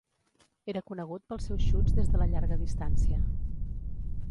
Era conegut pels seus xuts des de la llarga distància.